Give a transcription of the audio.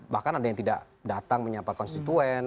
bahkan ada yang tidak datang menyapa konstituen